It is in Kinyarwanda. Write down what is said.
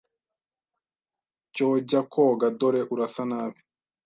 Cyo jya koga dore urasa nabi